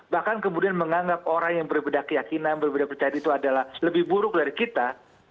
bahkan kemudian menganggap orang yang berbeda keyakinan berbeda percaya itu adalah lebih buruk dari kita